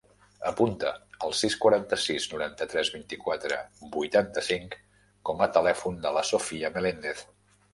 Apunta el sis, quaranta-sis, noranta-tres, vint-i-quatre, vuitanta-cinc com a telèfon de la Sophia Melendez.